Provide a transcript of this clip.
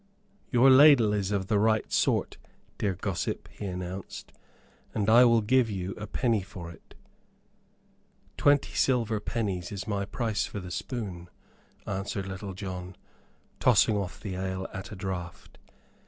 "Your ladle is of the right sort, dear gossip," he announced, "and I will give you a penny for it." "Twenty silver pennies is my price for the spoon," answered Little John, tossing off the ale at a draught.